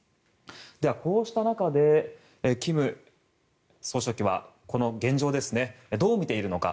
では、こうした中で金総書記はこの現状をどう見ているのか。